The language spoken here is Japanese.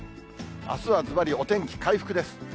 あすはずばりお天気回復です。